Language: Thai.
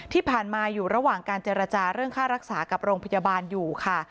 ที่ผ่านมาอยู่ระหว่างการเจรจาเรื่องค่ารักษากับโรงพยาบาลอยู่ค่ะ